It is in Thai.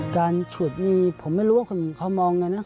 ฉุดนี่ผมไม่รู้ว่าคนเขามองไงนะ